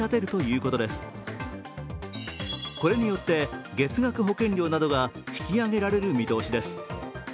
これによって月額保険料などが引き上げられる見通しです。